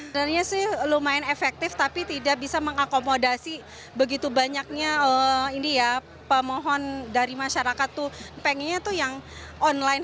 sebenarnya sih lumayan efektif tapi tidak bisa mengakomodasi begitu banyaknya ini ya pemohon dari masyarakat tuh pengennya tuh yang online